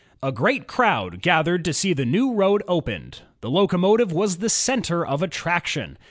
A great crowd gathered to see the new road opened. The locomotive was the center of attraction.